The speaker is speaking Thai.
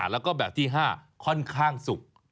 แล้วก็แบบที่๕ค่อนข้างสุก